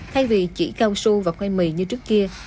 thay vì chỉ cao su và khoai mì như trước kia